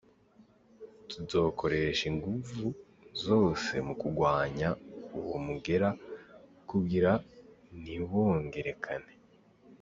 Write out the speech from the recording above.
Tuzokoresha inguvu zose mu kugwanya uwo mugera kugira ntiwongerekane.